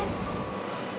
nanti aku cari bunda